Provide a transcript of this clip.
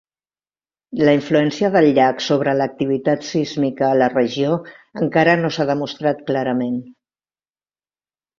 La influència del llac sobre l'activitat sísmica a la regió encara no s'ha demostrat clarament.